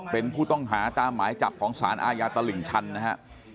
เป็นผู้ต้องหาตามหมายจับของสารอาญาตลิ่งชันนะฮะ